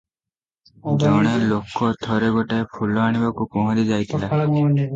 ଜଣେ ଲୋକ ଥରେ ଗୋଟାଏ ଫୁଲ ଆଣିବାକୁ ପହଁରି ଯାଇଥିଲା ।